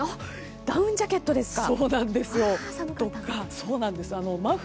ダウンジャケットですか？